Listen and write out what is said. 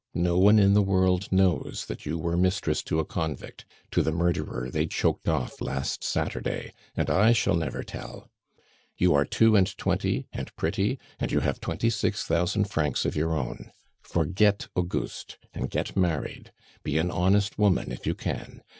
No one in the world knows that you were mistress to a convict, to the murderer they choked off last Saturday; and I shall never tell. You are two and twenty, and pretty, and you have twenty six thousand francs of your own; forget Auguste and get married; be an honest woman if you can.